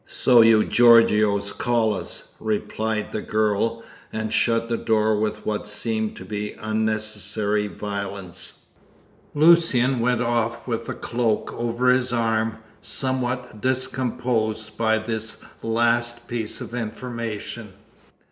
"So you Gorgios call us!" replied the girl, and shut the door with what seemed to be unnecessary violence. Lucian went off with the cloak over his arm, somewhat discomposed by this last piece of information.